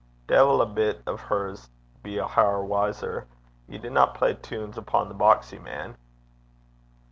'De'il a bit o' her s' be a hair wiser! Ye dinna play tunes upo' the boxie, man.'